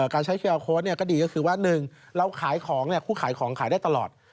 การใช้เครียร์โค้ดเนี่ยก็ดีก็คือว่า๑เราขายของเนี่ยคู่ขายของขายได้ตลอด